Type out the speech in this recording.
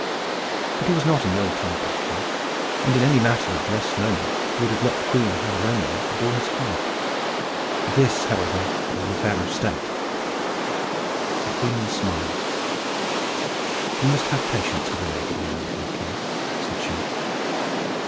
But he was not an ill tempered king, and in any matter of less moment would have let the queen have her own way with all his heart. This, however, was an affair of state. The queen smiled. "You must have patience with a lady, you know, dear king," said she.